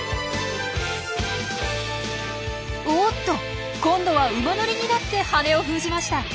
おっと！今度は馬乗りになって羽を封じました。